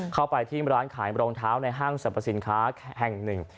เข้าไปที่ร้านขายรองเท้าในห้างสรรพสินค้าแห่งหนึ่ง